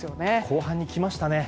後半に来ましたね！